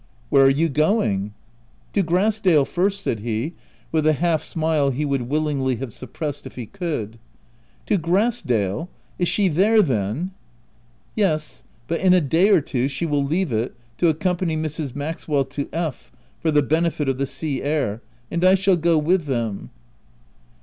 "Where are you going ?" "To Grass dale first/' said he, with a half smile he would willingly have suppressed if he could. " To Grass dale ! Is she there, then ?" M Yes, but in a day or two she will leave it to accompany Mrs. Maxwell to F for the benefit of the sea air ; and I shall go with them."